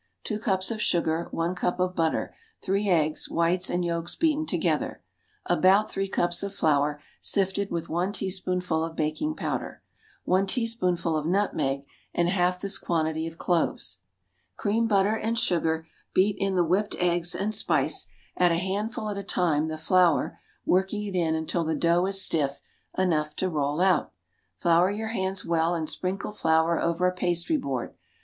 Two cups of sugar. One cup of butter. Three eggs, whites and yolks beaten together. About three cups of flour sifted with one teaspoonful of baking powder. One teaspoonful of nutmeg, and half this quantity of cloves. Cream butter and sugar, beat in the whipped eggs and spice; add a handful at a time the flour, working it in until the dough is stiff enough to roll out. Flour your hands well and sprinkle flour over a pastry board.